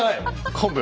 昆布。